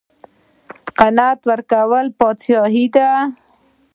قناعت کول پادشاهي ده